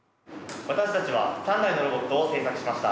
私たちは３台のロボットを製作しました。